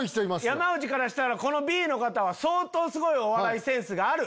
山内からしたらＢの方は相当すごいお笑いセンスがある。